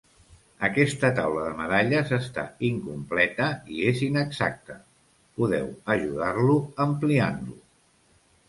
Aquesta taula de medalles està incompleta i es inexacta, podeu ajudar-lo ampliant-lo.